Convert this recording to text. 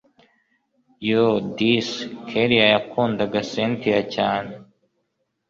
yooohdisi kellia yakundaga cyntia cyane